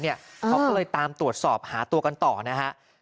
เขาก็เลยตามตรวจสอบหาตัวกันต่อนะฮะ